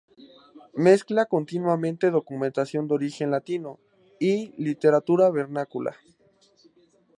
Mezcla continuamente documentación de origen latino y literatura vernácula.